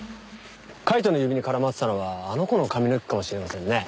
カイトの指に絡まってたのはあの子の髪の毛かもしれませんね。